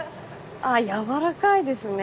あやわらかいですね。